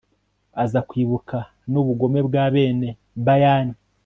aza kwibuka n'ubugome bwa bene bayani